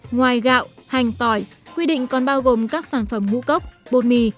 ngoài gạo hành tỏi quy định còn bao gồm các sản phẩm ngũ cốc bột mì